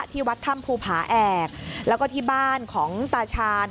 ที่วัดถ้ำภูผาแอกแล้วก็ที่บ้านของตาชาญ